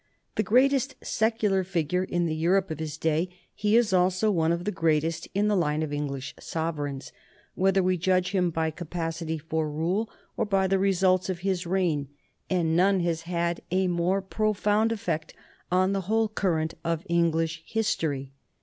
The greatest secular figure in the Europe of his day, he is also one of the greatest in the line of English sovereigns, whether we judge him by capacity for rule or by the re sults of his reign, and none has had a more profound ef fect on the whole current of English history.